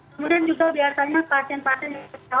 kemudian juga biasanya pasien pasien di kota